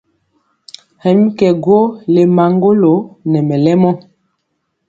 Hɛ mi kɛ gwo le maŋgolo nɛ mɛlɛmɔ.